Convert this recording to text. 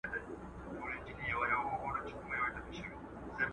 چیرته کولای سو امنیت په سمه توګه مدیریت کړو؟